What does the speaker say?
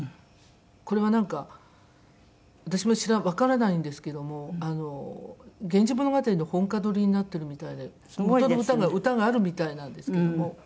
これはなんか私もわからないんですけども『源氏物語』の本歌取りになってるみたいで元の歌があるみたいなんですけども。